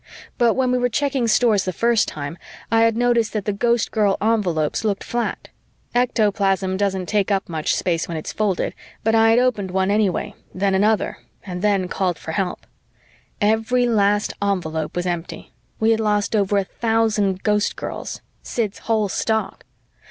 But when we were checking Stores the first time, I had noticed that the Ghostgirl envelopes looked flat. Ectoplasm doesn't take up much space when it's folded, but I had opened one anyway, then another, and then called for help. Every last envelope was empty. We had lost over a thousand Ghostgirls, Sid's whole stock.